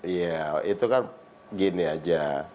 ya itu kan gini saja